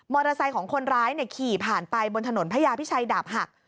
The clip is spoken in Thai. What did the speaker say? ไซค์ของคนร้ายขี่ผ่านไปบนถนนพระยาพิชัยดาบหัก